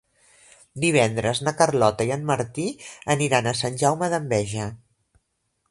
Divendres na Carlota i en Martí aniran a Sant Jaume d'Enveja.